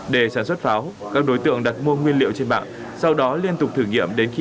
để sản xuất pháo các đối tượng đặt mua nguyên liệu trên mạng sau đó liên tục thử nghiệm đến khi